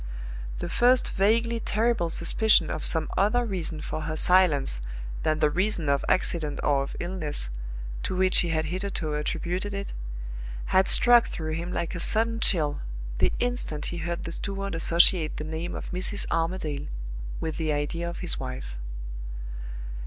The first vaguely terrible suspicion of some other reason for her silence than the reason of accident or of illness, to which he had hitherto attributed it, had struck through him like a sudden chill the instant he heard the steward associate the name of "Mrs. Armadale" with the idea of his wife.